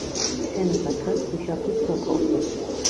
შენობა დგას ქვიშაქვის ცოკოლზე.